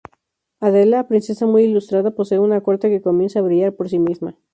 Adela, princesa muy ilustrada, posee una corte que comienza a brillar por sí misma.